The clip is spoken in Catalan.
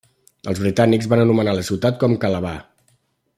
Els britànics van anomenar la ciutat com Calabar.